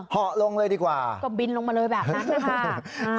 ะลงเลยดีกว่าก็บินลงมาเลยแบบนั้นนะคะ